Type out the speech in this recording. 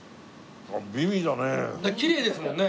きれいですもんね。